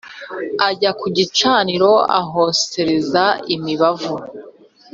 ajya ku gicaniro ahosereza imibavu